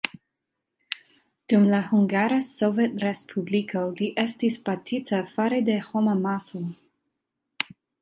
Dum la Hungara Sovetrespubliko li estis batita fare de homamaso.